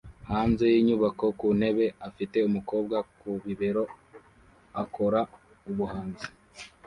hanze yinyubako kuntebe afite umukobwa ku bibero akora ubuhanzi